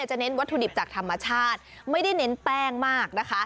จะเน้นวัตถุดิบจากธรรมชาติไม่ได้เน้นแป้งมากนะคะ